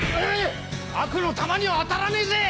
悪の弾には当たらねえぜ！